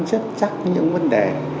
rất chắc những vấn đề